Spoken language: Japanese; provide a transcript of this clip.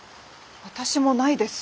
私もないです。